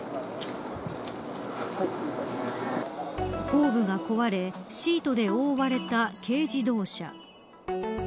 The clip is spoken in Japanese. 後部が壊れ、シートで覆われた軽自動車。